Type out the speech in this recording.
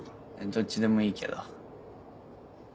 どっちでもいいけど。